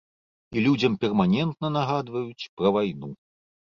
І людзям перманентна нагадваюць пра вайну.